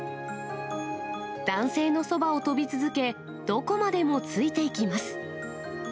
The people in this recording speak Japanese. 男性のそばを飛び続け、どこまでもついていきます。